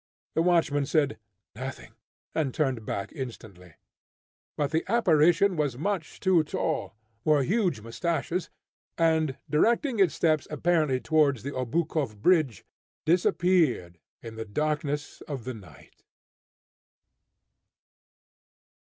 The watchman said, "Nothing," and turned back instantly. But the apparition was much too tall, wore huge moustaches, and, directing its steps apparently towards the Obukhov Bridge, disappeared in the darkness of the night.